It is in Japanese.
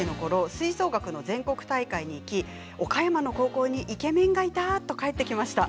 吹奏楽の全国大会に行き岡山の高校にイケメンがいた、と帰ってきました。